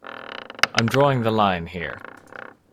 I'm drawing the line here.